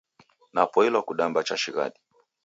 Napoilwa kudamba cha shighadi